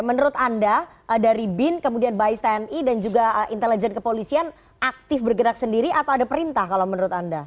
menurut anda dari bin kemudian bais tni dan juga intelijen kepolisian aktif bergerak sendiri atau ada perintah kalau menurut anda